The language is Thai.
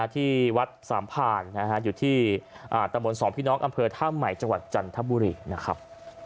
ที่วัดสามผ่านอยู่ที่ตำบลสองพี่น้องอำเภอท่าใหม่จังหวัดจันทบุรีนะครับ